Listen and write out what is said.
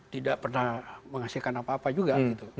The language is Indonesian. tidak pernah menghasilkan apa apa juga